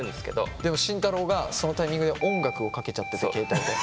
でも慎太郎がそのタイミングで音楽をかけちゃってて携帯で。